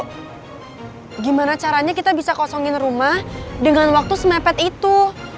gimana caranya kita bisa kosongin rumah dengan waktu semepet itu